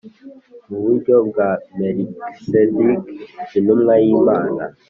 Mu buryo bwa Melikisedeki intumwa y’Imana.”